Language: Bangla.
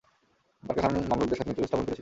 বারকা খান মামলুকদের সাথে মিত্রতা স্থাপন করেছিলেন।